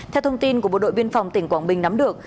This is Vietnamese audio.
theo thông tin của bộ đội biên phòng tỉnh quảng bình nắm được